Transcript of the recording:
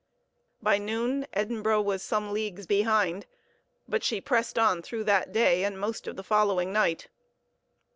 By noon Edinburgh was some leagues behind, but she pressed on through that day and most of the following night.